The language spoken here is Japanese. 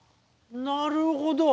なるほど。